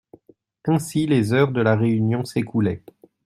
Ainsi les heures de la réunion s'écoulaient.